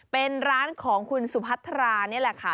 เป็นร้านของคุณสุพัทรานี่แหละค่ะ